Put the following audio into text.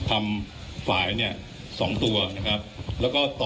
คุณผู้ชมไปฟังผู้ว่ารัฐกาลจังหวัดเชียงรายแถลงตอนนี้ค่ะ